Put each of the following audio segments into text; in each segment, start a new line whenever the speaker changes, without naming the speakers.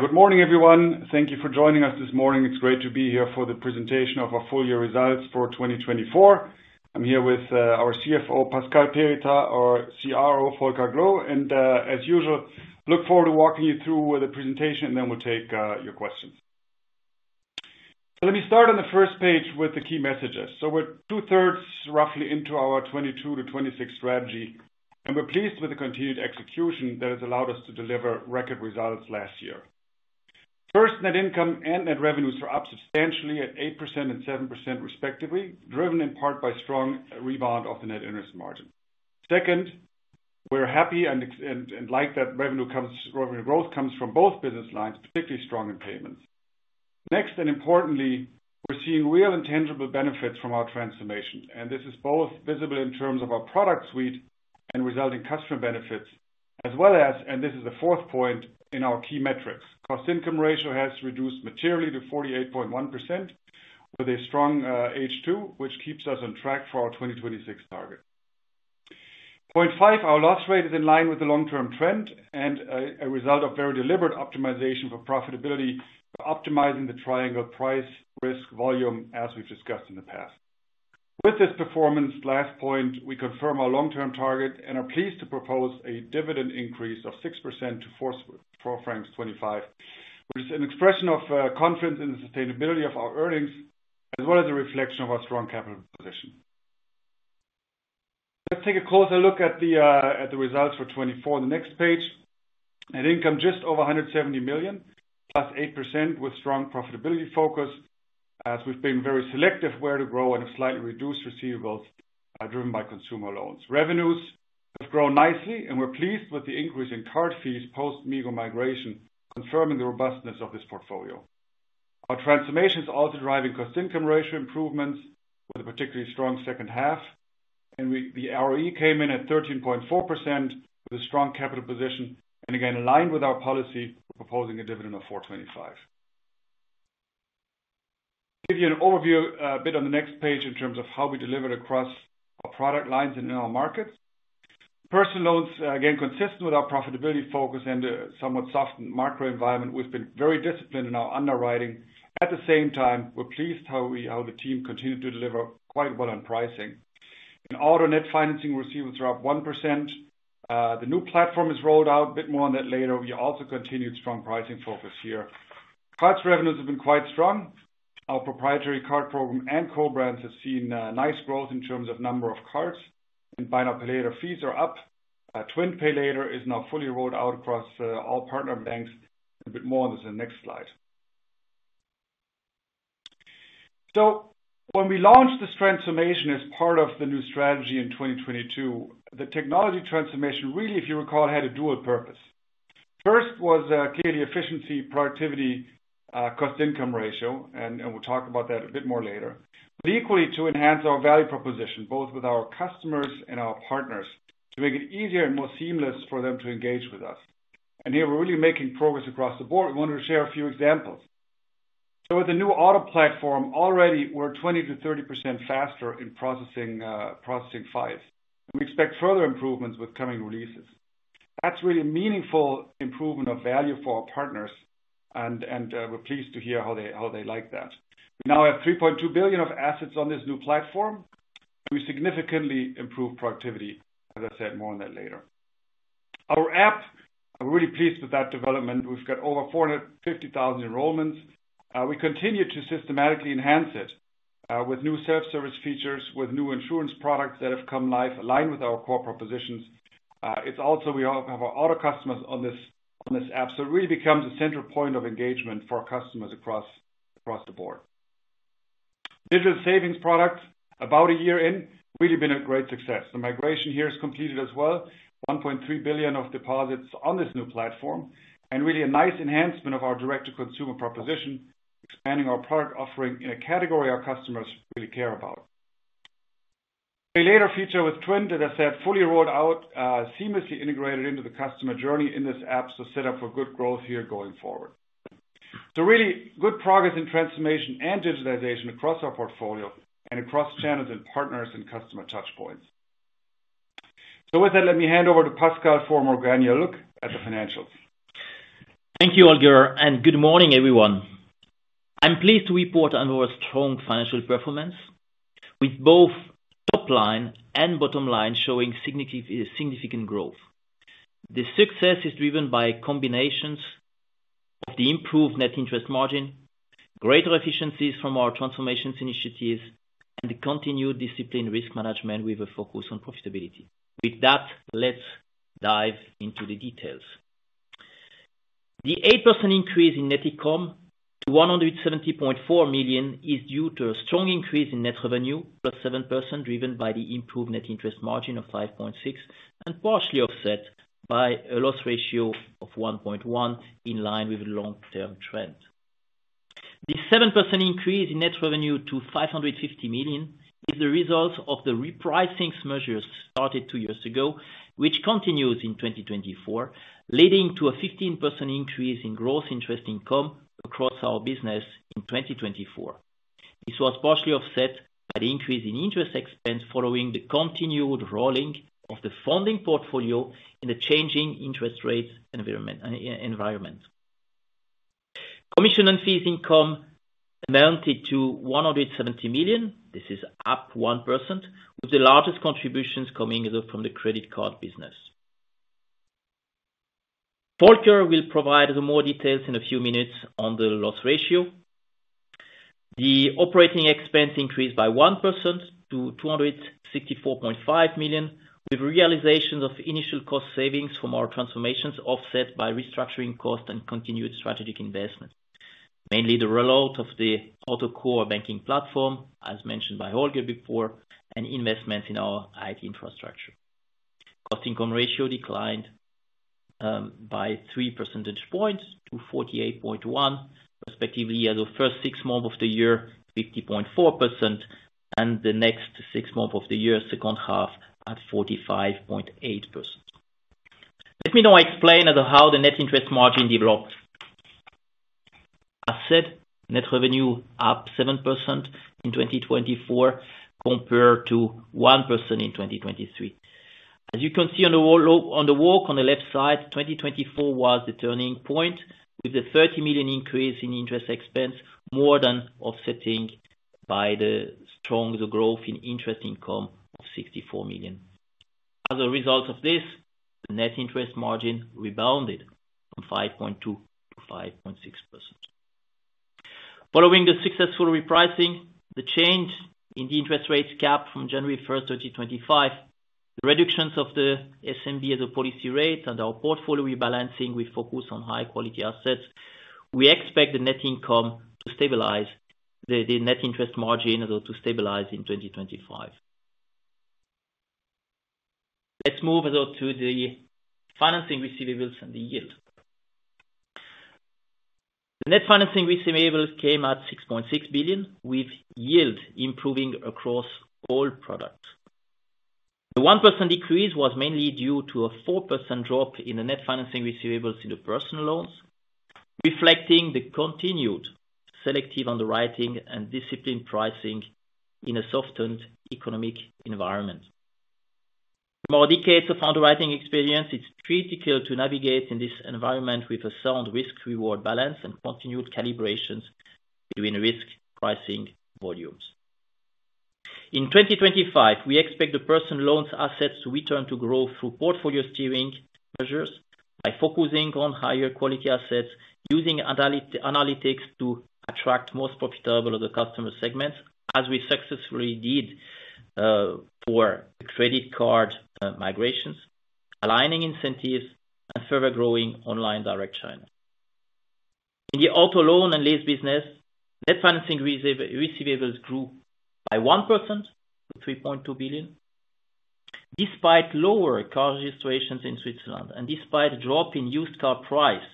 Good morning, everyone. Thank you for joining us this morning. It's great to be here for the presentation of our Full-year Results for 2024. I'm here with our CFO, Pascal Perritaz, our CRO, Volker Gloe, and, as usual, I look forward to walking you through the presentation, and then we'll take your questions. Let me start on the first page with the key messages. We're two-thirds roughly into our 2022 to 2026 strategy, and we're pleased with the continued execution that has allowed us to deliver record results last year. First, net income and net revenues are up substantially at 8% and 7%, respectively, driven in part by a strong rebound of the net interest margin. Second, we're happy and like that revenue growth comes from both business lines, particularly strong in payments. Next, and importantly, we're seeing real and tangible benefits from our transformation, and this is both visible in terms of our product suite and resulting customer benefits, as well as, and this is the fourth point, in our key metrics. cost-to-income ratio has reduced materially to 48.1% with a strong H2, which keeps us on track for our 2026 target. Point five, our loss rate is in line with the long-term trend and a result of very deliberate optimization for profitability, optimizing the triangle price-risk-volume, as we've discussed in the past. With this performance, last point, we confirm our long-term target and are pleased to propose a dividend increase of 6% to 4.25 francs, which is an expression of confidence in the sustainability of our earnings, as well as a reflection of our strong capital position. Let's take a closer look at the results for 2024 on the next page. Net income just over 170 million, plus 8% with strong profitability focus, as we've been very selective where to grow and have slightly reduced receivables driven by consumer loans. Revenues have grown nicely, and we're pleased with the increase in card fees post-MiGo migration, confirming the robustness of this portfolio. Our transformation is also cost-to-income ratio improvements with a particularly strong second half, and the ROE came in at 13.4% with a strong capital position, and again, aligned with our policy of proposing a dividend of 4.25. I'll give you an overview a bit on the next page in terms of how we delivered across our product lines and in our markets. Personal loans, again, consistent with our profitability focus and a somewhat softened macro environment, we've been very disciplined in our underwriting. At the same time, we're pleased how the team continued to deliver quite well on pricing. In auto, net financing receivables are up 1%. The new platform is rolled out, a bit more on that later. We also continued strong pricing focus here. Cards revenues have been quite strong. Our proprietary card program and co-brands have seen nice growth in terms of number of cards, and buy now, pay later fees are up. TWINT Pay Later is now fully rolled out across all partner banks, a bit more on this in the next slide. So when we launched this transformation as part of the new strategy in 2022, the technology transformation really, if you recall, had a dual purpose. First was clearly efficiency, cost-to-income ratio, and we'll talk about that a bit more later, but equally to enhance our value proposition, both with our customers and our partners, to make it easier and more seamless for them to engage with us. Here we're really making progress across the board. I wanted to share a few examples. With the new auto platform, already we're 20%-30% faster in processing files, and we expect further improvements with coming releases. That's really a meaningful improvement of value for our partners, and we're pleased to hear how they like that. We now have 3.2 billion of assets on this new platform, and we significantly improved productivity, as I said, more on that later. Our app, we're really pleased with that development. We've got over 450,000 enrollments. We continue to systematically enhance it with new self-service features, with new insurance products that have come live, aligned with our core propositions. It's also we have our auto customers on this app, so it really becomes a central point of engagement for customers across the board. Digital savings product, about a year in, really been a great success. The migration here is completed as well, 1.3 billion of deposits on this new platform, and really a nice enhancement of our direct-to-consumer proposition, expanding our product offering in a category our customers really care about. Pay later feature with TWINT, as I said, fully rolled out, seamlessly integrated into the customer journey in this app, so set up for good growth here going forward. So really good progress in transformation and digitization across our portfolio and across channels and partners and customer touchpoints. So with that, let me hand over to Pascal for a more granular look at the financials.
Thank you, Holger, and good morning, everyone. I'm pleased to report on our strong financial performance, with both top line and bottom line showing significant growth. The success is driven by combinations of the improved net interest margin, greater efficiencies from our transformation initiatives, and the continued disciplined risk management with a focus on profitability. With that, let's dive into the details. The 8% increase in net income to 170.4 million is due to a strong increase in net revenue, plus 7% driven by the improved net interest margin of 5.6%, and partially offset by a loss ratio of 1.1%, in line with the long-term trend. The 7% increase in net revenue to 550 million is the result of the repricing measures started two years ago, which continues in 2024, leading to a 15% increase in gross interest income across our business in 2024. This was partially offset by the increase in interest expense following the continued rolling of the funding portfolio in the changing interest rate environment. Commission and fees income amounted to 170 million. This is up 1%, with the largest contributions coming from the credit card business. Volker will provide more details in a few minutes on the loss ratio. The operating expense increased by 1% to 264.5 million, with realizations of initial cost savings from our transformations offset by restructuring costs and continued strategic investments, mainly the rollout of the auto core banking platform, as mentioned by Holger before, and investments in our IT cost-to-income ratio declined by 3 percentage points to 48.1%, respectively the first six months of the year, 50.4%, and the next six months of the year, second half, at 45.8%. Let me now explain how the net interest margin developed. As said, net revenue up 7% in 2024 compared to 1% in 2023. As you can see on the walk on the left side, 2024 was the turning point, with the 30 million increase in interest expense more than offsetting by the strong growth in interest income of 64 million. As a result of this, the net interest margin rebounded from 5.2%-5.6%. Following the successful repricing, the change in the interest rate cap from January 1st, 2025, the reductions of the SNB as a policy rate, and our portfolio rebalancing with focus on high-quality assets, we expect the net income to stabilize, the net interest margin to stabilize in 2025. Let's move to the financing receivables and the yield. The net financing receivables came at 6.6 billion, with yield improving across all products. The 1% decrease was mainly due to a 4% drop in the net financing receivables in the personal loans, reflecting the continued selective underwriting and disciplined pricing in a softened economic environment. For decades of underwriting experience, it's critical to navigate in this environment with a sound risk-reward balance and continued calibrations between risk, pricing, volumes. In 2025, we expect the personal loans assets to return to growth through portfolio steering measures by focusing on higher-quality assets, using analytics to attract most profitable of the customer segments, as we successfully did for credit card migrations, aligning incentives, and further growing online direct channel. In the auto loan and lease business, net financing receivables grew by 1% to 3.2 billion. Despite lower car registrations in Switzerland and despite a drop in used car price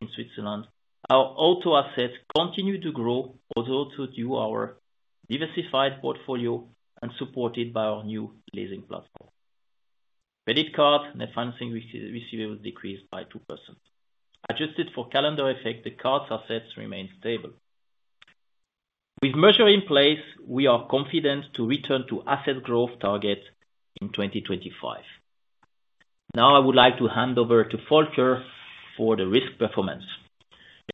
in Switzerland, our auto assets continued to grow, although due to our diversified portfolio and supported by our new leasing platform. Credit card net financing receivables decreased by 2%. Adjusted for calendar effect, the cards assets remained stable. With measures in place, we are confident to return to asset growth targets in 2025. Now I would like to hand over to Volker for the risk performance.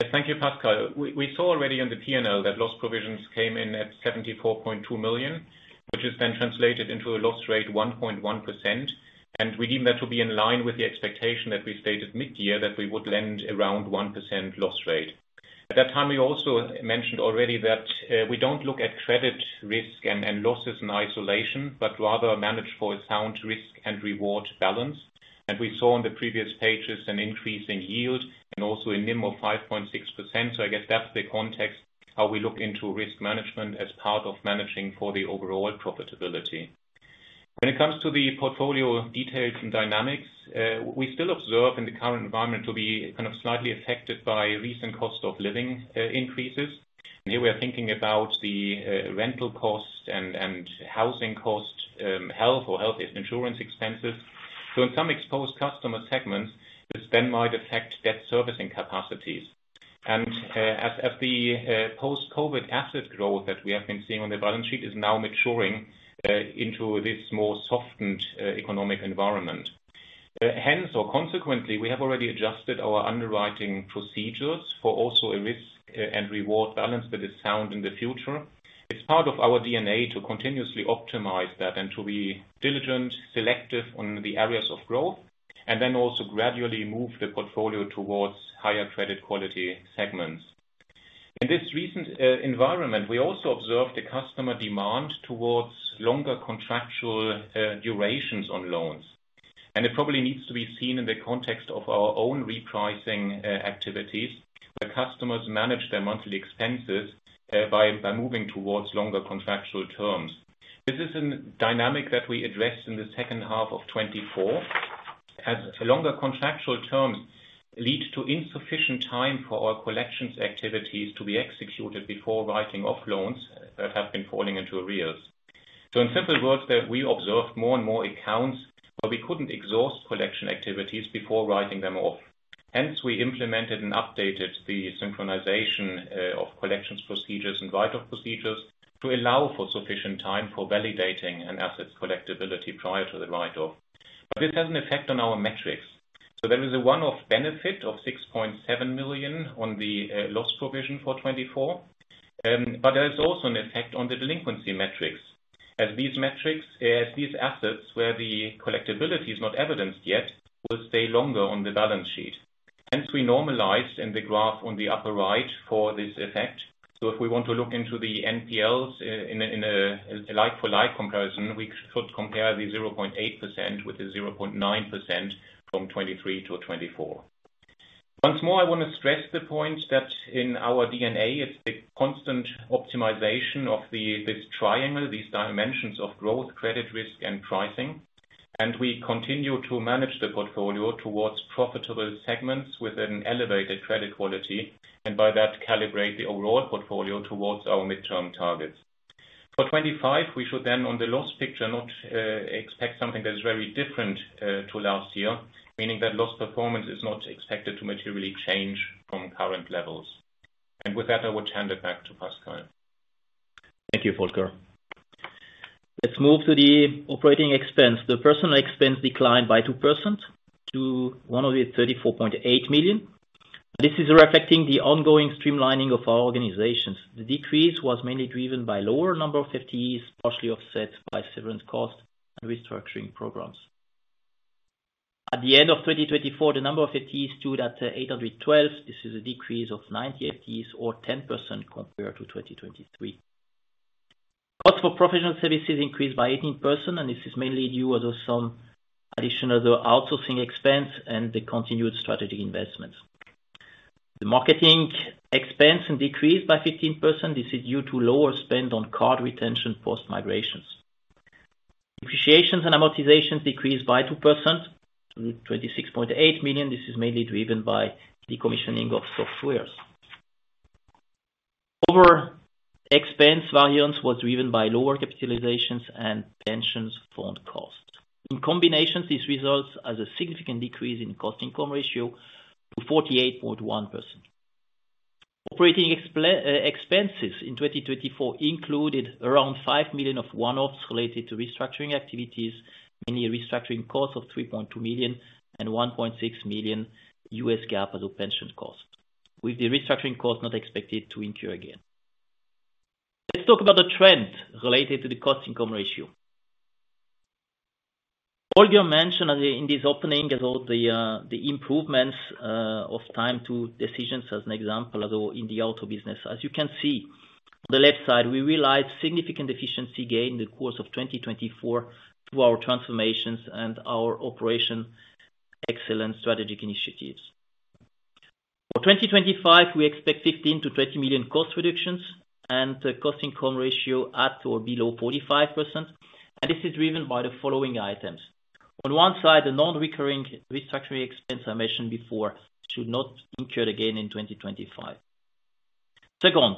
Yes, thank you, Pascal. We saw already in the P&L that loss provisions came in at 74.2 million, which has been translated into a loss rate of 1.1%, and we deem that to be in line with the expectation that we stated mid-year that we would land around 1% loss rate. At that time, we also mentioned already that we don't look at credit risk and losses in isolation, but rather manage for a sound risk and reward balance, and we saw on the previous pages an increase in yield and also a NIM of 5.6%, so I guess that's the context how we look into risk management as part of managing for the overall profitability. When it comes to the portfolio details and dynamics, we still observe in the current environment to be kind of slightly affected by recent cost of living increases. And here we are thinking about the rental costs and housing costs, health or health insurance expenses. So in some exposed customer segments, this then might affect debt servicing capacities. And as the post-COVID asset growth that we have been seeing on the balance sheet is now maturing into this more softened economic environment, hence, or consequently, we have already adjusted our underwriting procedures for also a risk and reward balance that is sound in the future. It's part of our DNA to continuously optimize that and to be diligent, selective on the areas of growth, and then also gradually move the portfolio towards higher credit quality segments. In this recent environment, we also observed the customer demand towards longer contractual durations on loans. It probably needs to be seen in the context of our own repricing activities, where customers manage their monthly expenses by moving towards longer contractual terms. This is a dynamic that we addressed in the second half of 2024, as longer contractual terms lead to insufficient time for our collections activities to be executed before writing off loans that have been falling into arrears. In simple words, we observed more and more accounts where we couldn't exhaust collection activities before writing them off. Hence, we implemented and updated the synchronization of collections procedures and write-off procedures to allow for sufficient time for validating an asset's collectability prior to the write-off. This has an effect on our metrics. There is a one-off benefit of 6.7 million on the loss provision for 2024, but there is also an effect on the delinquency metrics, as these assets, where the collectability is not evidenced yet, will stay longer on the balance sheet. Hence, we normalized in the graph on the upper right for this effect. If we want to look into the NPLs in a like-for-like comparison, we should compare the 0.8% with the 0.9% from 2023-2024. Once more, I want to stress the point that in our DNA, it is the constant optimization of this triangle, these dimensions of growth, credit risk, and pricing. We continue to manage the portfolio towards profitable segments with an elevated credit quality, and by that, calibrate the overall portfolio towards our midterm targets. For 2025, we should then, on the loss picture, not expect something that is very different to last year, meaning that loss performance is not expected to materially change from current levels. With that, I would hand it back to Pascal.
Thank you, Volker. Let's move to the operating expense. The personnel expense declined by 2% to 134.8 million. This is reflecting the ongoing streamlining of our organization. The decrease was mainly driven by a lower number of FTEs, partially offset by severance costs and restructuring programs. At the end of 2024, the number of FTEs stood at 812. This is a decrease of 90 FTEs or 10% compared to 2023. Cost for professional services increased by 18%, and this is mainly due to some additional outsourcing expense and the continued strategic investments. The marketing expense decreased by 15%. This is due to lower spend on card retention post-migrations. Depreciation and amortization decreased by 2% to 26.8 million. This is mainly driven by decommissioning of software. Overall expense variance was driven by lower capitalizations and pension fund costs. In combination, this results in a significant decrease cost-to-income ratio to 48.1%. Operating expenses in 2024 included around 5 million of one-offs related to restructuring activities, mainly restructuring costs of 3.2 million and 1.6 million U.S. GAAP as a pension cost, with the restructuring cost not expected to incur again. Let's talk about the trend related to the cost-income ratio. Holger mentioned in this opening the improvements of time to decisions as an example in the auto business. As you can see, on the left side, we realized significant efficiency gain in the course of 2024 through our transformations and our operational excellence strategic initiatives. For 2025, we expect 15-20 million cost reductions and cost-income ratio at or below 45%. This is driven by the following items. On one side, the non-recurring restructuring expense I mentioned before should not incur again in 2025. Second,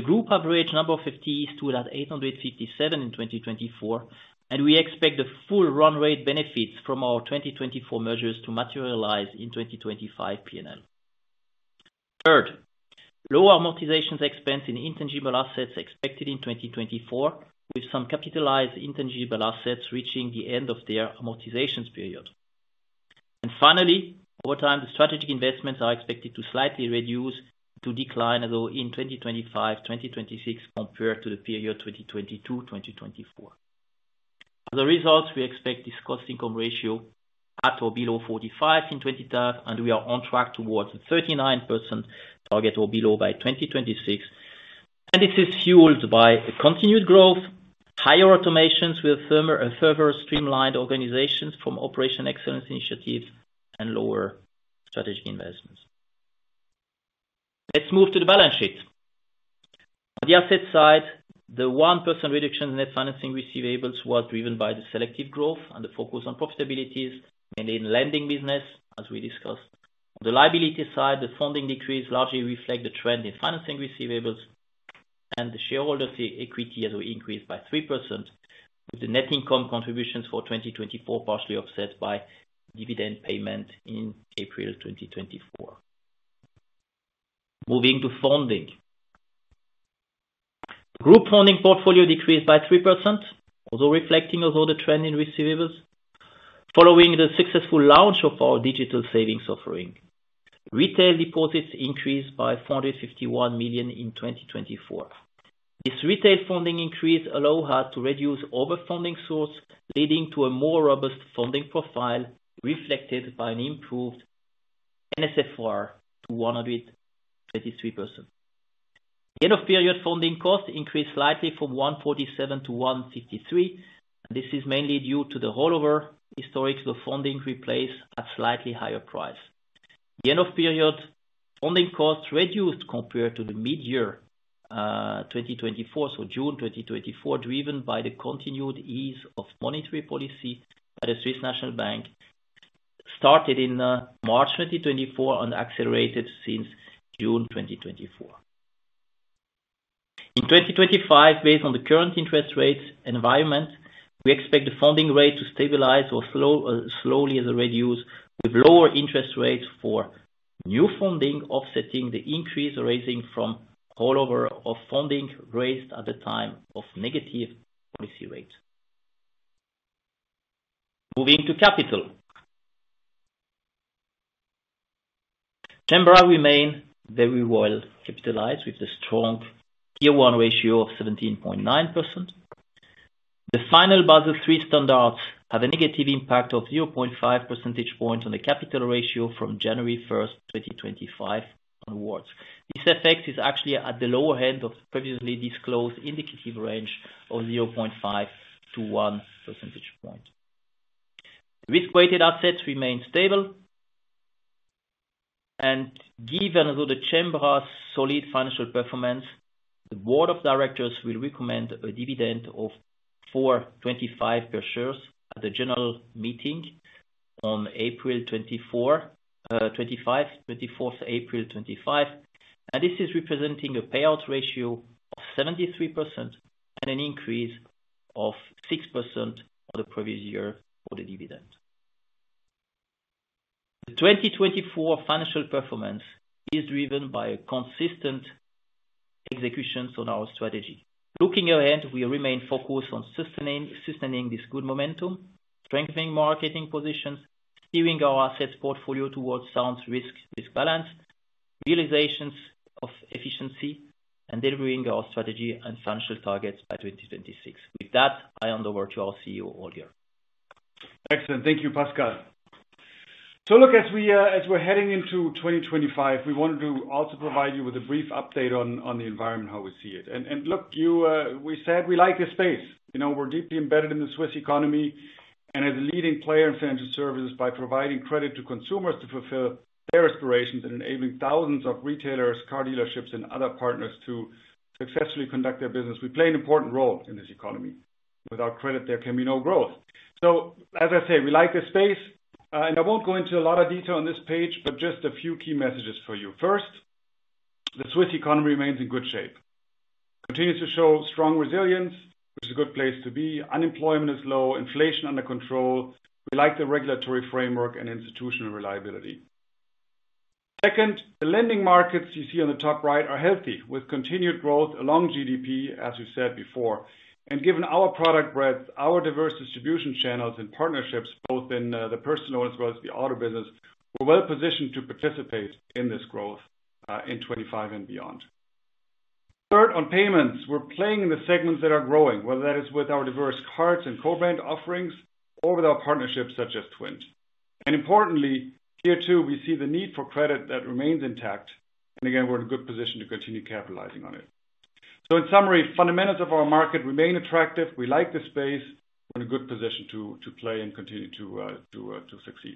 the group average number of FTEs stood at 857 in 2024, and we expect the full run rate benefits from our 2024 measures to materialize in 2025 P&L. Third, lower amortization expense in intangible assets expected in 2024, with some capitalized intangible assets reaching the end of their amortization period. And finally, over time, the strategic investments are expected to slightly reduce to decline in 2025-2026 compared to the period 2022-2024. As a result, we expect this cost-income ratio at or below 45% in 2025, and we are on track towards a 39% target or below by 2026. And this is fueled by continued growth, higher automations with further streamlined organizations from operational excellence initiatives and lower strategic investments. Let's move to the balance sheet. On the asset side, the 1% reduction in net financing receivables was driven by the selective growth and the focus on profitabilities, mainly in the lending business, as we discussed. On the liability side, the funding decrease largely reflects the trend in financing receivables, and the shareholder's equity has increased by 3%, with the net income contributions for 2024 partially offset by dividend payment in April 2024. Moving to funding. Group funding portfolio decreased by 3%, although reflecting the trend in receivables following the successful launch of our digital savings offering. Retail deposits increased by 451 million in 2024. This retail funding increase allowed us to reduce overfunding sources, leading to a more robust funding profile reflected by an improved NSFR to 123%. End-of-period funding cost increased slightly from 147 to 153, and this is mainly due to the rollover historic of funding replaced at slightly higher price. The end-of-period funding costs reduced compared to the mid-year 2024, so June 2024, driven by the continued ease of monetary policy by the Swiss National Bank, started in March 2024 and accelerated since June 2024. In 2025, based on the current interest rate environment, we expect the funding rate to stabilize or slowly reduce with lower interest rates for new funding, offsetting the increase arising from rollover of funding raised at the time of negative policy rates. Moving to capital. Cembra remains very well capitalized with a strong Tier 1 ratio of 17.9%. The final Basel III standards have a negative impact of 0.5 percentage points on the capital ratio from January 1st, 2025 onwards. This effect is actually at the lower end of the previously disclosed indicative range of 0.5 to 1 percentage point. Risk-weighted assets remain stable. Given the Cembra's solid financial performance, the board of directors will recommend a dividend of 4.25 per share at the general meeting on April 24th, April 25th. This is representing a payout ratio of 73% and an increase of 6% on the previous year for the dividend. The 2024 financial performance is driven by consistent executions on our strategy. Looking ahead, we remain focused on sustaining this good momentum, strengthening marketing positions, steering our asset portfolio towards sound risk-balance, realizations of efficiency, and delivering our strategy and financial targets by 2026. With that, I hand over to our CEO, Holger.
Excellent. Thank you, Pascal. So look, as we're heading into 2025, we wanted to also provide you with a brief update on the environment, how we see it, and look, we said we like this space. We're deeply embedded in the Swiss economy and as a leading player in financial services by providing credit to consumers to fulfill their aspirations and enabling thousands of retailers, car dealerships, and other partners to successfully conduct their business. We play an important role in this economy. Without credit, there can be no growth, so as I say, we like this space, and I won't go into a lot of detail on this page, but just a few key messages for you. First, the Swiss economy remains in good shape. It continues to show strong resilience, which is a good place to be. Unemployment is low. Inflation under control. We like the regulatory framework and institutional reliability. Second, the lending markets you see on the top right are healthy with continued growth along GDP, as we said before and given our product breadth, our diverse distribution channels and partnerships, both in the personal as well as the auto business, we're well positioned to participate in this growth in 2025 and beyond. Third, on payments, we're playing in the segments that are growing, whether that is with our diverse cards and co-brand offerings or with our partnerships such as TWINT, and importantly, here too, we see the need for credit that remains intact, and again, we're in a good position to continue capitalizing on it, so in summary, fundamentals of our market remain attractive. We like this space. We're in a good position to play and continue to succeed.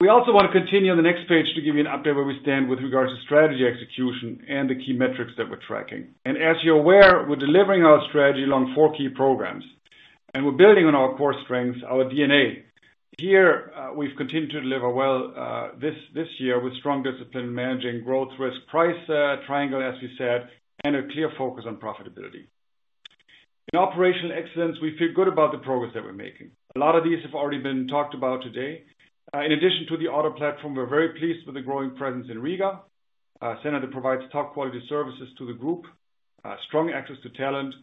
We also want to continue on the next page to give you an update where we stand with regards to strategy execution and the key metrics that we're tracking. And as you're aware, we're delivering our strategy along four key programs. And we're building on our core strengths, our DNA. Here, we've continued to deliver well this year with strong discipline in managing growth risk, price triangle, as we said, and a clear focus on profitability. In operational excellence, we feel good about the progress that we're making. A lot of these have already been talked about today. In addition to the auto platform, we're very pleased with the growing presence in Riga, a center that provides top-quality services to the group, strong access to talent,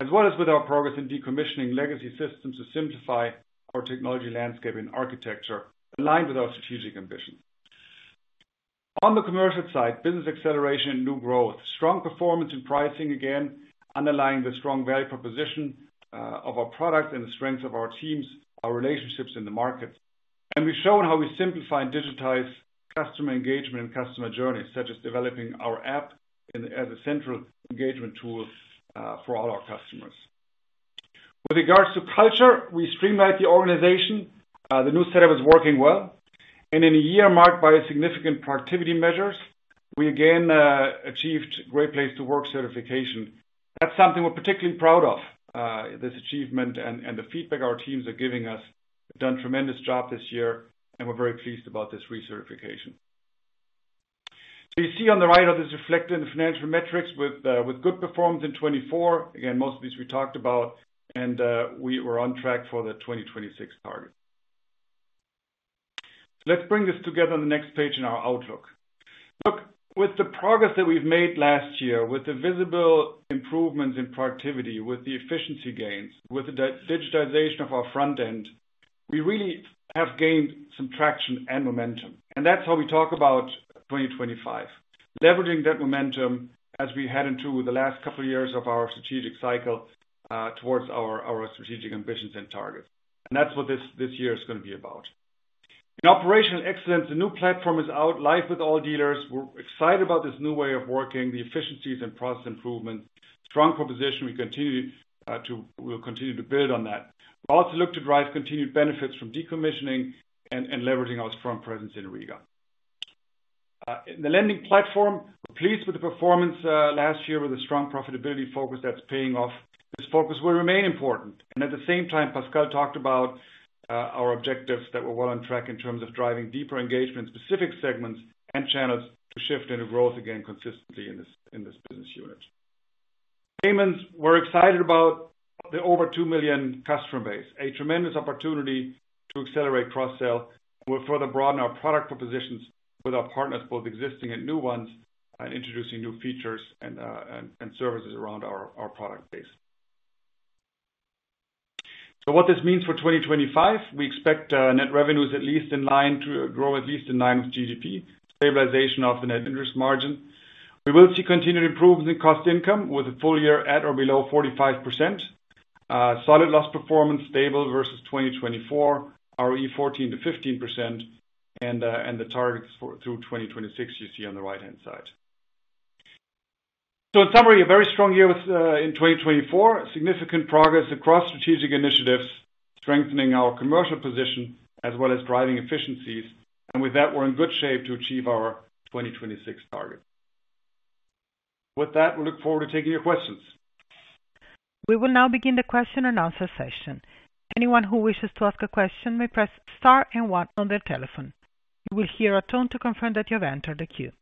as well as with our progress in decommissioning legacy systems to simplify our technology landscape and architecture aligned with our strategic ambitions. On the commercial side, business acceleration and new growth, strong performance in pricing, again, underlying the strong value proposition of our product and the strengths of our teams, our relationships in the market. We've shown how we simplify and digitize customer engagement and customer journeys, such as developing our app as a central engagement tool for all our customers. With regards to culture, we streamlined the organization. The new setup is working well. In a year marked by significant productivity measures, we again achieved Great Place to Work certification. That's something we're particularly proud of, this achievement and the feedback our teams are giving us. We've done a tremendous job this year, and we're very pleased about this recertification. You see on the right how this is reflected in the financial metrics with good performance in 2024. Again, most of these we talked about, and we're on track for the 2026 target. Let's bring this together on the next page in our outlook. Look, with the progress that we've made last year, with the visible improvements in productivity, with the efficiency gains, with the digitization of our front end, we really have gained some traction and momentum. And that's how we talk about 2025, leveraging that momentum as we head into the last couple of years of our strategic cycle towards our strategic ambitions and targets. And that's what this year is going to be about. In operational excellence, the new platform is out, live with all dealers. We're excited about this new way of working, the efficiencies and process improvements, strong proposition. We will continue to build on that. We also look to drive continued benefits from decommissioning and leveraging our strong presence in Riga. In the lending platform, we're pleased with the performance last year with a strong profitability focus that's paying off. This focus will remain important, and at the same time, Pascal talked about our objectives that we're well on track in terms of driving deeper engagement in specific segments and channels to shift into growth again consistently in this business unit. Payments, we're excited about the over two million customer base, a tremendous opportunity to accelerate cross-sell. We'll further broaden our product propositions with our partners, both existing and new ones, and introducing new features and services around our product base, so what this means for 2025, we expect net revenues at least in line to grow at least in line with GDP, stabilization of the net interest margin. We will see continued improvement in cost income with a full year at or below 45%. Solid loss performance, stable versus 2024, ROE 14%-15%, and the targets through 2026 you see on the right-hand side. So in summary, a very strong year in 2024, significant progress across strategic initiatives, strengthening our commercial position as well as driving efficiencies. And with that, we're in good shape to achieve our 2026 target. With that, we look forward to taking your questions.
We will now begin the question and answer session. Anyone who wishes to ask a question may press star and one on their telephone. You will hear a tone to confirm that you have entered the queue.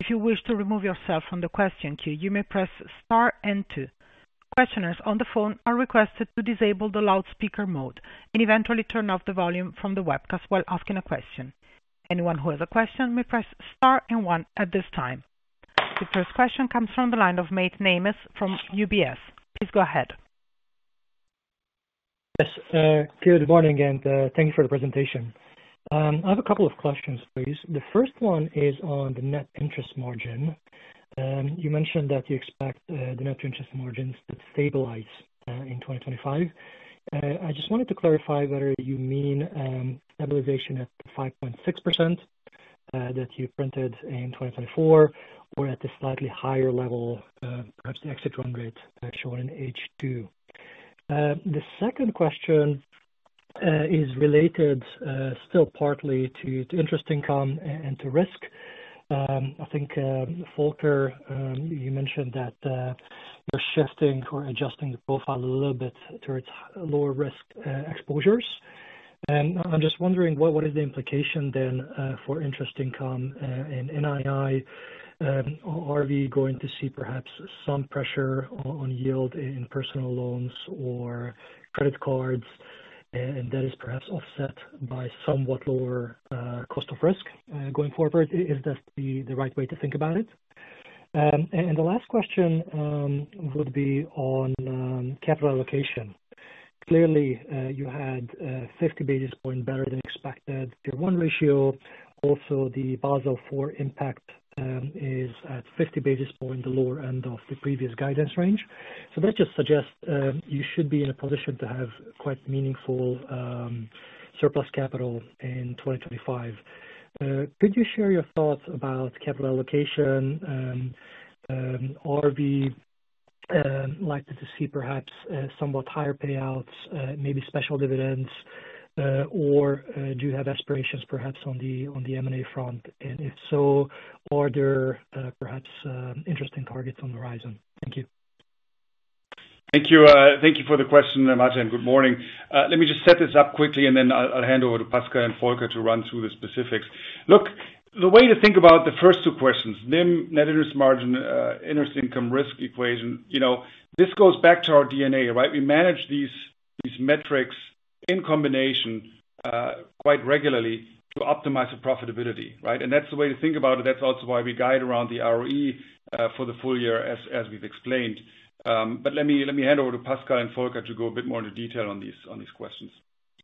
If you wish to remove yourself from the question queue, you may press star and two. Questioners on the phone are requested to disable the loudspeaker mode and eventually turn off the volume from the webcast while asking a question. Anyone who has a question may press star and one at this time. The first question comes from the line of Mate Nemes from UBS. Please go ahead.
Yes. Good morning and thank you for the presentation. I have a couple of questions, please. The first one is on the net interest margin. You mentioned that you expect the net interest margins to stabilize in 2025. I just wanted to clarify whether you mean stabilization at 5.6% that you printed in 2024 or at a slightly higher level, perhaps the exit run rate shown in H2. The second question is related still partly to interest income and to risk. I think, Volker, you mentioned that you're shifting or adjusting the profile a little bit towards lower risk exposures. And I'm just wondering, what is the implication then for interest income in NII? Are we going to see perhaps some pressure on yield in personal loans or credit cards? And that is perhaps offset by somewhat lower cost of risk going forward. Is that the right way to think about it? And the last question would be on capital allocation. Clearly, you had 50 basis points better than expected. Tier 1 ratio. Also, the Basel IV impact is at 50 basis points, the lower end of the previous guidance range. So that just suggests you should be in a position to have quite meaningful surplus capital in 2025. Could you share your thoughts about capital allocation? Are we likely to see perhaps somewhat higher payouts, maybe special dividends, or do you have aspirations perhaps on the M&A front? And if so, are there perhaps interesting targets on the horizon? Thank you.
Thank you for the question, Mate, and good morning. Let me just set this up quickly, and then I'll hand over to Pascal and Volker to run through the specifics. Look, the way to think about the first two questions, NIM, net interest margin, interest income risk equation, this goes back to our DNA, right? We manage these metrics in combination quite regularly to optimize the profitability, right? And that's the way to think about it. That's also why we guide around the ROE for the full year, as we've explained, but let me hand over to Pascal and Volker to go a bit more into detail on these questions.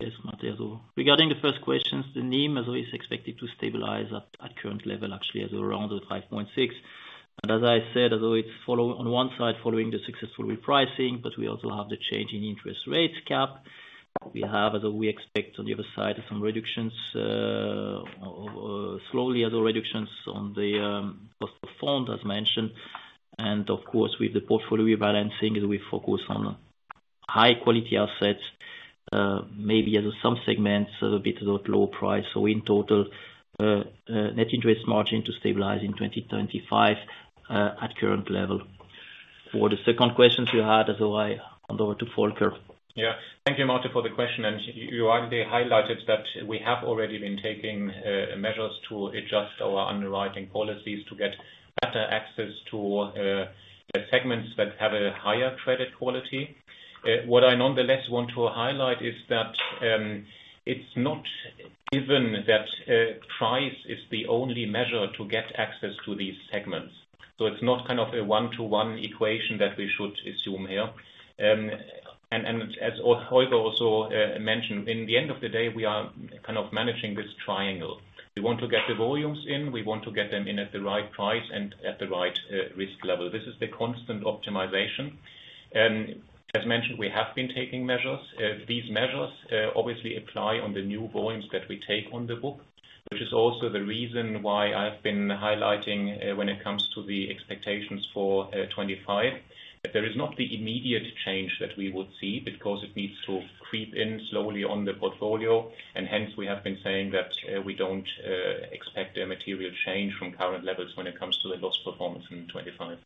Yes, Mate, so regarding the first questions, the NIM is always expected to stabilize at current level, actually, at around 5.6, and as I said, it's on one side following the successful repricing, but we also have the changing interest rates cap. We have, as we expect, on the other side, some reductions, slowly reductions on the cost of fund, as mentioned, and of course, with the portfolio rebalancing, we focus on high-quality assets, maybe some segments a bit at lower price, so in total, net interest margin to stabilize in 2025 at current level. For the second question you had, I hand over to Volker.
Yeah. Thank you, Mate, for the question. And you highlighted that we have already been taking measures to adjust our underwriting policies to get better access to segments that have a higher credit quality. What I nonetheless want to highlight is that it's not given that price is the only measure to get access to these segments. So it's not kind of a one-to-one equation that we should assume here. And as Holger also mentioned, in the end of the day, we are kind of managing this triangle. We want to get the volumes in. We want to get them in at the right price and at the right risk level. This is the constant optimization. As mentioned, we have been taking measures. These measures obviously apply on the new volumes that we take on the book, which is also the reason why I've been highlighting when it comes to the expectations for 2025. There is not the immediate change that we would see because it needs to creep in slowly on the portfolio, and hence, we have been saying that we don't expect a material change from current levels when it comes to the loss performance in 2025.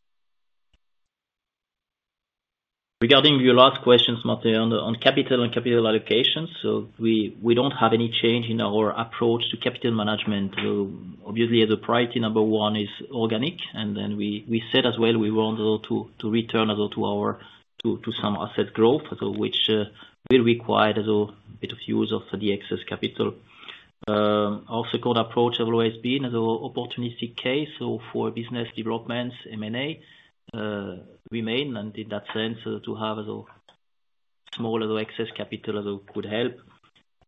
Regarding your last questions, Mate, on capital and capital allocations, so we don't have any change in our approach to capital management. Obviously, as a priority number one is organic. And then we said as well, we want to return to some asset growth, which will require a bit of use of the excess capital. Our second approach has always been an opportunistic case for business developments, M&A, remain. And in that sense, to have a smaller excess capital could help.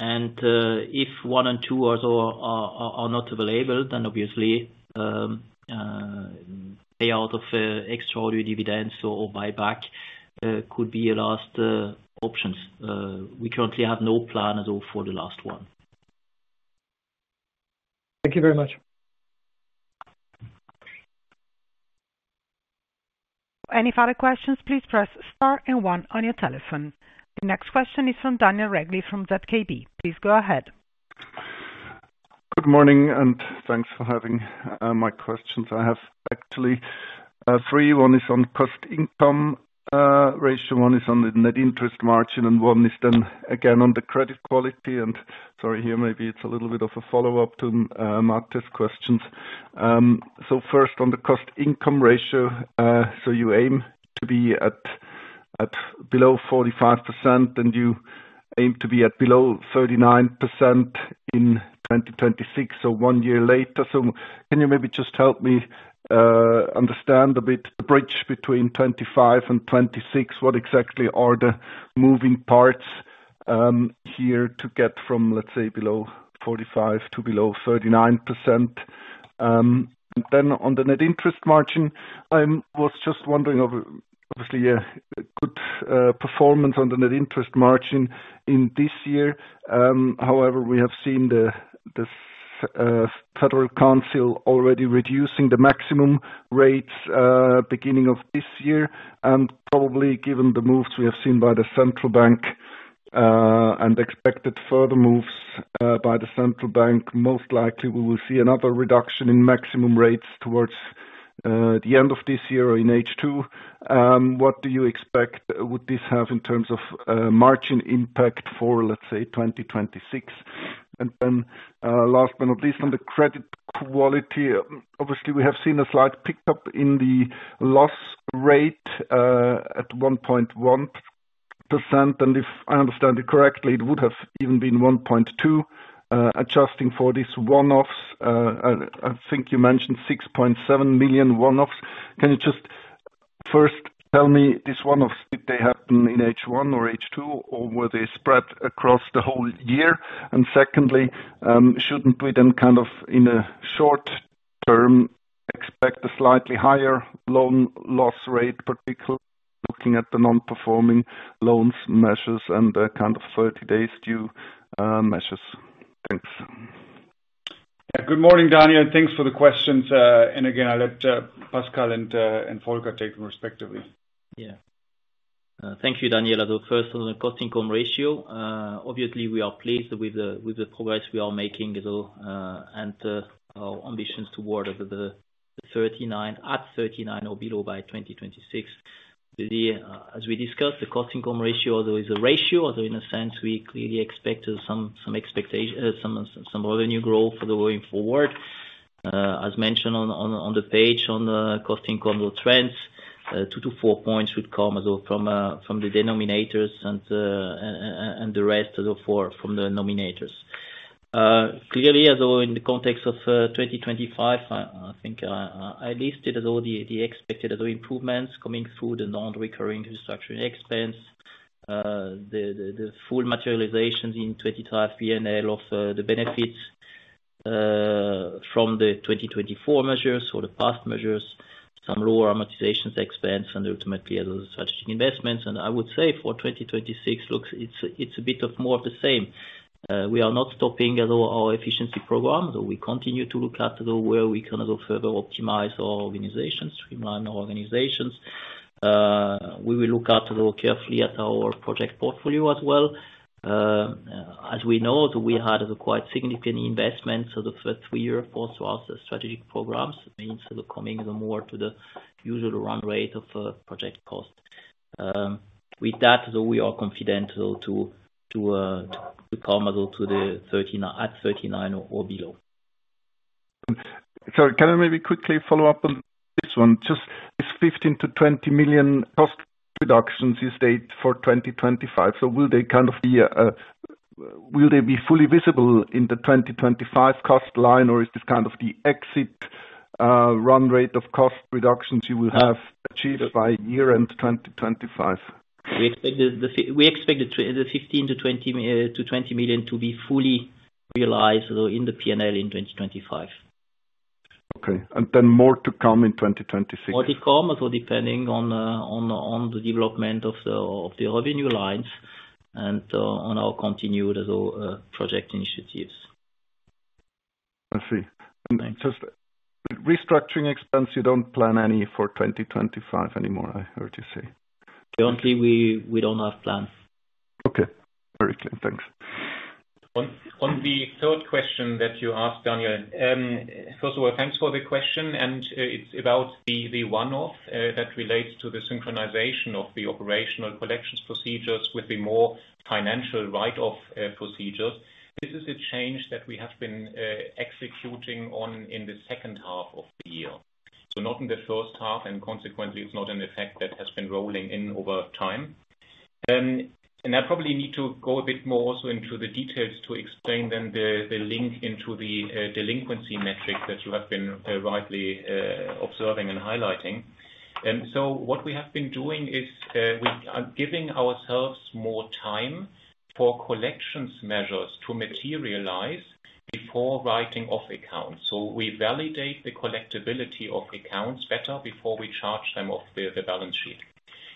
And if one and two are not available, then obviously, payout of extraordinary dividends or buyback could be the last options. We currently have no plan for the last one.
Thank you very much.
Any further questions, please press star and one on your telephone. The next question is from Daniel Regli from ZKB. Please go ahead.
Good morning, and thanks for having my questions. I have actually three. One is on cost income ratio, one is on the net interest margin, and one is then again on the credit quality. And sorry, here, maybe it's a little bit of a follow-up to Mate's questions. So first, on the cost income ratio, so you aim to be at below 45%, and you aim to be at below 39% in 2026, so one year later. So can you maybe just help me understand a bit the bridge between 2025 and 2026? What exactly are the moving parts here to get from, let's say, below 45 to below 39%? And then on the net interest margin, I was just wondering of obviously a good performance on the net interest margin in this year. However, we have seen the Federal Council already reducing the maximum rates beginning of this year. Probably given the moves we have seen by the central bank and expected further moves by the central bank, most likely we will see another reduction in maximum rates towards the end of this year or in H2. What do you expect would this have in terms of margin impact for, let's say, 2026? Then last but not least, on the credit quality, obviously, we have seen a slight pickup in the loss rate at 1.1%. If I understand it correctly, it would have even been 1.2%. Adjusting for these one-offs, I think you mentioned 6.7 million one-offs. Can you just first tell me these one-offs, did they happen in H1 or H2, or were they spread across the whole year? Secondly, shouldn't we then kind of in the short term expect a slightly higher loan loss rate, particularly looking at the non-performing loans measures and the kind of 30-day due measures? Thanks.
Yeah. Good morning, Daniel. Thanks for the questions, and again, I'll let Pascal and Volker take them respectively.
Yeah. Thank you, Daniel. So first, on cost-to-income ratio, obviously, we are pleased with the progress we are making and our ambitions toward 39% or below by 2026. As we discussed, cost-to-income ratio is a ratio, although in a sense, we clearly expect some revenue growth going forward. As mentioned on the page on the cost-to-income trends, two to four points would come from the denominators and the rest from the numerators. Clearly, in the context of 2025, I think I listed the expected improvements coming through the non-recurring restructuring expense, the full materializations in 2024 P&L of the benefits from the 2024 measures or the past measures, some lower amortization expense, and ultimately strategic investments. I would say for 2026, it's a bit more of the same. We are not stopping our efficiency program. We continue to look at where we can further optimize our organizations, streamline our organizations. We will look carefully at our project portfolio as well. As we know, we had quite significant investments for the first three years also as strategic programs, means coming more to the usual run rate of project cost. With that, we are confident to come to the 39 or below.
Sorry, can I maybe quickly follow up on this one? Just this 15 million-20 million cost reductions you state for 2025, so will they kind of be fully visible in the 2025 cost line, or is this kind of the exit run rate of cost reductions you will have achieved by year-end 2025?
We expect the 15 million-20 million to be fully realized in the P&L in 2025.
Okay, and then more to come in 2026.
More to come, depending on the development of the revenue lines and on our continued project initiatives.
I see. And just restructuring expense, you don't plan any for 2025 anymore, I heard you say.
Currently, we don't have plans.
Okay. Very clear. Thanks.
On the third question that you asked, Daniel, first of all, thanks for the question. And it's about the one-off that relates to the synchronization of the operational collections procedures with the more financial write-off procedures. This is a change that we have been executing on in the second half of the year. So not in the first half, and consequently, it's not an effect that has been rolling in over time. And I probably need to go a bit more also into the details to explain then the link into the delinquency metric that you have been rightly observing and highlighting. So what we have been doing is giving ourselves more time for collections measures to materialize before writing off accounts. So we validate the collectability of accounts better before we charge them off the balance sheet.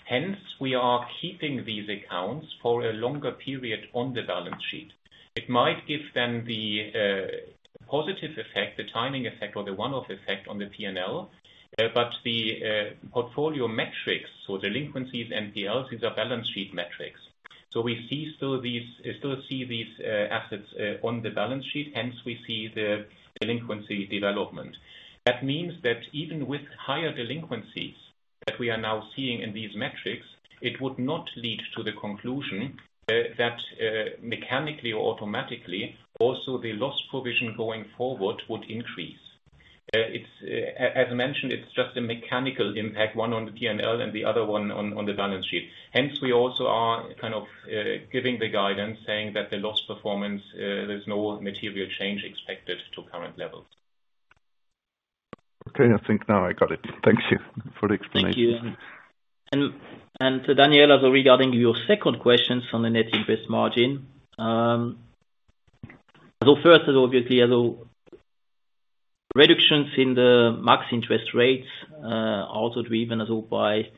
Hence, we are keeping these accounts for a longer period on the balance sheet. It might give them the positive effect, the timing effect, or the one-off effect on the P&L, but the portfolio metrics, so delinquencies and PLs, these are balance sheet metrics. So we still see these assets on the balance sheet. Hence, we see the delinquency development. That means that even with higher delinquencies that we are now seeing in these metrics, it would not lead to the conclusion that mechanically or automatically, also the loss provision going forward would increase. As mentioned, it's just a mechanical impact, one on the P&L and the other one on the balance sheet. Hence, we also are kind of giving the guidance saying that the loss performance. There's no material change expected to current levels.
Okay. I think now I got it. Thank you for the explanation.
Thank you. And Daniel, regarding your second question on the net interest margin, so first, obviously, reductions in the max interest rates are also driven by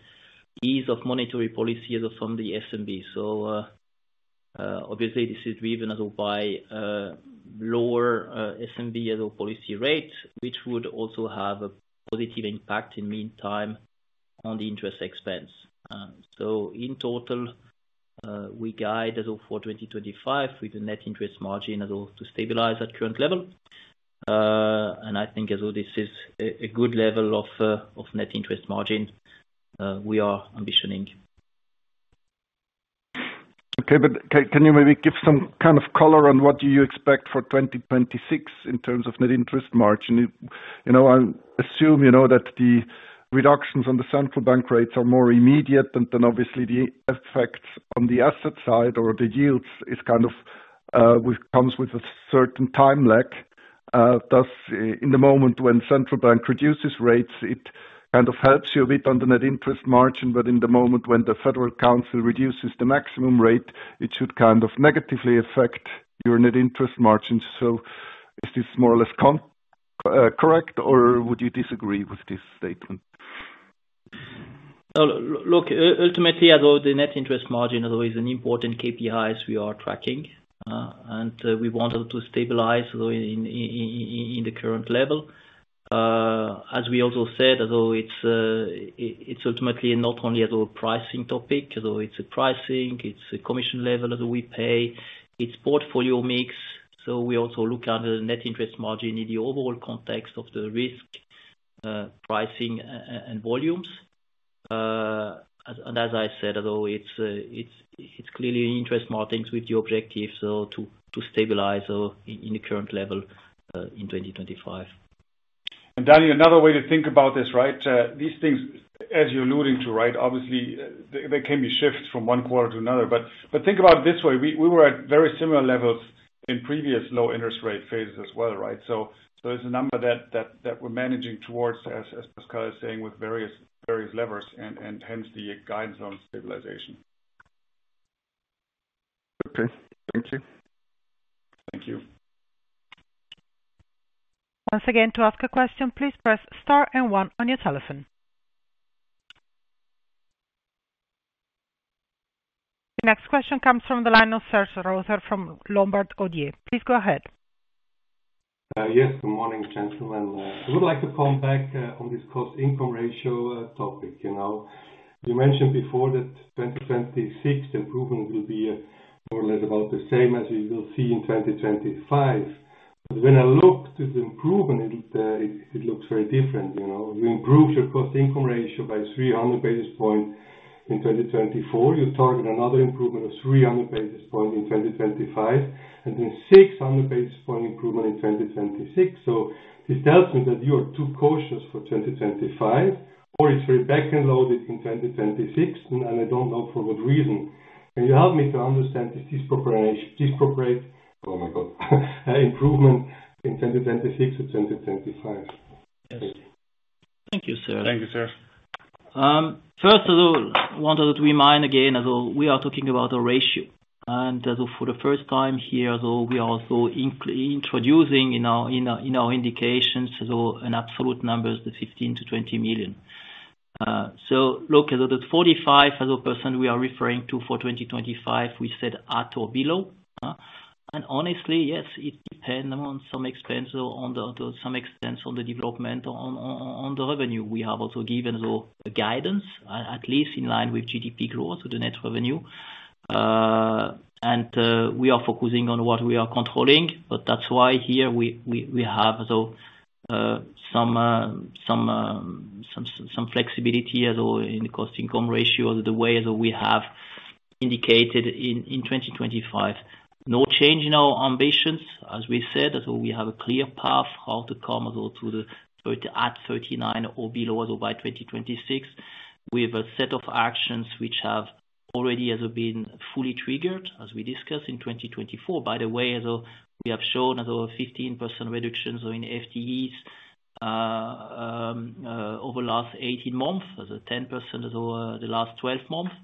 ease of monetary policy from the SNB. So obviously, this is driven by lower SNB policy rates, which would also have a positive impact in meantime on the interest expense. So in total, we guide for 2025 with the net interest margin to stabilize at current level. And I think this is a good level of net interest margin we are ambitioning.
Okay. But can you maybe give some kind of color on what do you expect for 2026 in terms of net interest margin? I assume that the reductions on the central bank rates are more immediate, and then obviously, the effects on the asset side or the yields comes with a certain time lag. In the moment when the central bank reduces rates, it kind of helps you a bit on the net interest margin, but in the moment when the Federal Council reduces the maximum rate, it should kind of negatively affect your net interest margin. So is this more or less correct, or would you disagree with this statement?
Look, ultimately, the net interest margin is an important KPI we are tracking, and we want to stabilize in the current level. As we also said, it's ultimately not only a pricing topic. It's a pricing, it's a commission level we pay, it's portfolio mix. So we also look at the net interest margin in the overall context of the risk pricing and volumes. And as I said, it's clearly interest margins with the objective to stabilize in the current level in 2025.
Daniel, another way to think about this, right? These things, as you're alluding to, right, obviously, they can be shifted from one quarter to another. But think about it this way. We were at very similar levels in previous low interest rate phases as well, right? So there's a number that we're managing towards, as Pascal is saying, with various levers, and hence the guidance on stabilization.
Okay. Thank you.
Thank you.
Once again, to ask a question, please press star and one on your telephone. The next question comes from the line of Serge Rotzer from Lombard Odier. Please go ahead.
Yes. Good morning, gentlemen. I would like to come back on cost-to-income ratio topic. You mentioned before that 2026 improvement will be more or less about the same as we will see in 2025. But when I looked at the improvement, it looks very different. You improved cost-to-income ratio by 300 basis points in 2024. You target another improvement of 300 basis points in 2025, and then 600 basis points improvement in 2026. So this tells me that you are too cautious for 2025, or it's very back-loaded in 2026, and I don't know for what reason. Can you help me to understand this disproportionate improvement in 2026 or 2025?
Thank you, sir.
Thank you, sir.
First of all, I wanted to remind again that we are talking about a ratio. And for the first time here, we are also introducing in our indications an absolute number, the 15 million-20 million. So look, the 45% we are referring to for 2025, we said at or below. And honestly, yes, it depends on some expense on the development on the revenue. We have also given guidance, at least in line with GDP growth, the net revenue. And we are focusing on what we are controlling, but that's why here we have some flexibility in the cost income ratio the way we have indicated in 2025. No change in our ambitions, as we said. We have a clear path how to come to at 39 or below by 2026. We have a set of actions which have already been fully triggered, as we discussed in 2024. By the way, we have shown 15% reductions in FTEs over the last 18 months, 10% over the last 12 months,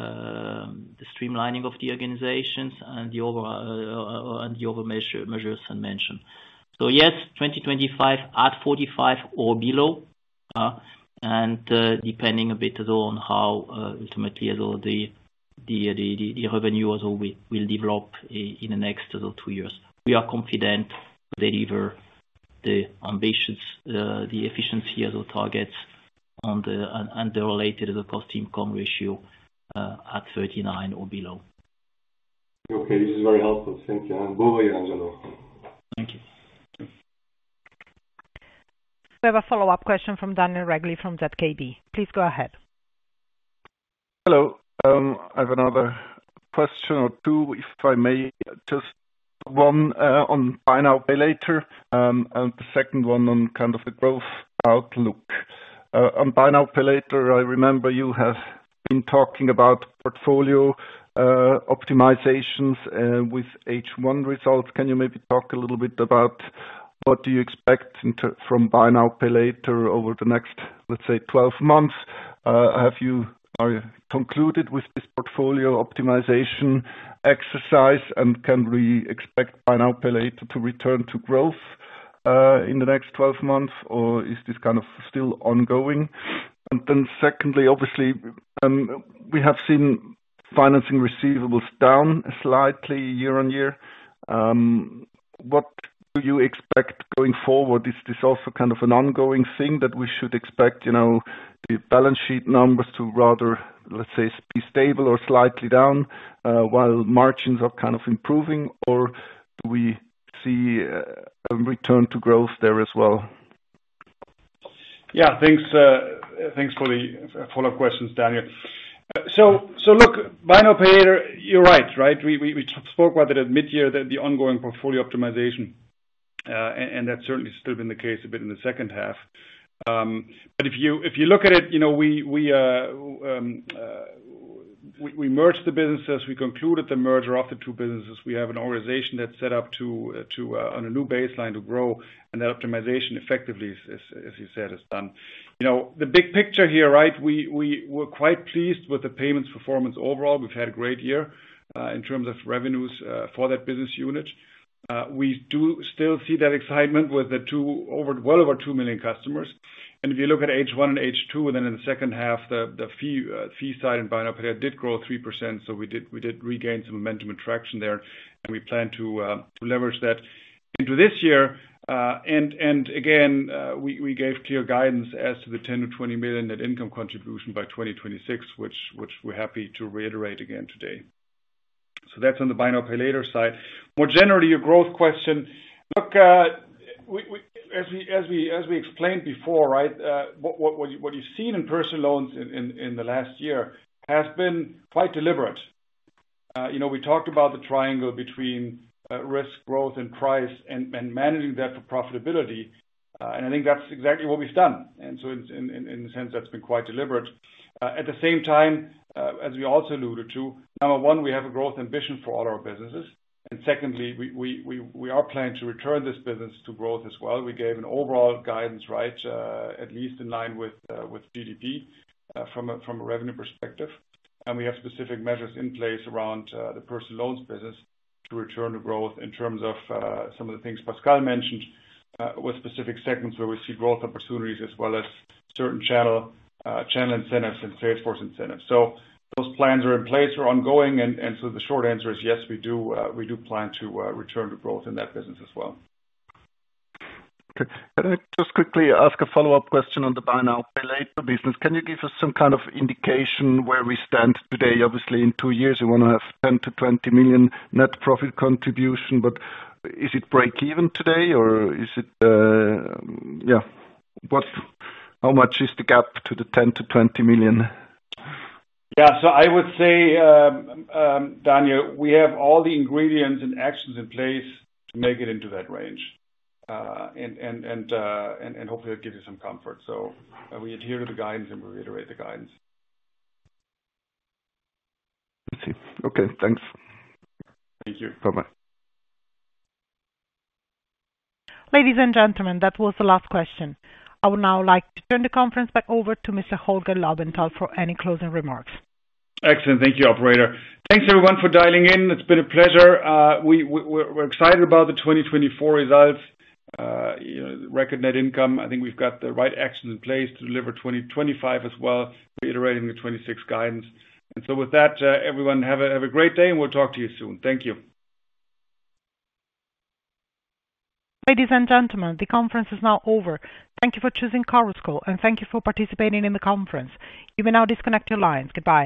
the streamlining of the organizations, and the other measures I mentioned. So yes, 2025 at 45 or below, and depending a bit on how ultimately the revenue will develop in the next two years. We are confident they deliver the ambitions, the efficiency targets, and the related cost income ratio at 39 or below.
Okay. This is very helpful. Thank you. [moving Angelo]
Thank you.
We have a follow-up question from Daniel Regli from ZKB. Please go ahead.
Hello. I have another question or two, if I may. Just one on buy now, pay later, and the second one on kind of the growth outlook. On buy now, pay later, I remember you have been talking about portfolio optimizations with H1 results. Can you maybe talk a little bit about what do you expect from buy now, pay later over the next, let's say, 12 months? Have you concluded with this portfolio optimization exercise, and can we expect buy now, pay later to return to growth in the next 12 months, or is this kind of still ongoing? And then secondly, obviously, we have seen financing receivables down slightly year on year. What do you expect going forward? Is this also kind of an ongoing thing that we should expect the balance sheet numbers to rather, let's say, be stable or slightly down while margins are kind of improving, or do we see a return to growth there as well?
Yeah. Thanks for the follow-up questions, Daniel. So look, buy now, pay later, you're right, right? We spoke about it at mid-year, the ongoing portfolio optimization, and that's certainly still been the case a bit in the second half. But if you look at it, we merged the businesses. We concluded the merger of the two businesses. We have an organization that's set up on a new baseline to grow, and that optimization effectively, as you said, is done. The big picture here, right? We were quite pleased with the payments performance overall. We've had a great year in terms of revenues for that business unit. We do still see that excitement with well over 2 million customers. And if you look at H1 and H2, then in the second half, the fee side in buy now, pay later did grow 3%. We did regain some momentum and traction there, and we plan to leverage that into this year. And again, we gave clear guidance as to the 10 million-20 million net income contribution by 2026, which we're happy to reiterate again today. That's on the buy now, pay later side. More generally, your growth question, look, as we explained before, right, what you've seen in personal loans in the last year has been quite deliberate. We talked about the triangle between risk, growth, and price, and managing that for profitability. And I think that's exactly what we've done. And so in a sense, that's been quite deliberate. At the same time, as we also alluded to, number one, we have a growth ambition for all our businesses. And secondly, we are planning to return this business to growth as well. We gave an overall guidance, right, at least in line with GDP from a revenue perspective. And we have specific measures in place around the personal loans business to return to growth in terms of some of the things Pascal mentioned with specific segments where we see growth opportunities as well as certain channel incentives and sales force incentives. So those plans are in place or ongoing. And so the short answer is yes, we do plan to return to growth in that business as well.
Okay. Can I just quickly ask a follow-up question on the buy now, pay later business? Can you give us some kind of indication where we stand today? Obviously, in two years, we want to have 10 million-20 million net profit contribution, but is it break-even today, or is it, yeah, how much is the gap to the 10 million-20 million?
Yeah. So I would say, Daniel, we have all the ingredients and actions in place to make it into that range, and hopefully, it'll give you some comfort. So we adhere to the guidance, and we reiterate the guidance.
I see. Okay. Thanks.
Thank you.
Bye-bye.
Ladies and gentlemen, that was the last question. I would now like to turn the conference back over to Mr. Holger Laubenthal for any closing remarks.
Excellent. Thank you, Operator. Thanks, everyone, for dialing in. It's been a pleasure. We're excited about the 2024 results, record net income. I think we've got the right actions in place to deliver 2025 as well, reiterating the 2026 guidance. And so with that, everyone, have a great day, and we'll talk to you soon. Thank you.
Ladies and gentlemen, the conference is now over. Thank you for choosing Chorus Call, and thank you for participating in the conference. You may now disconnect your lines. Goodbye.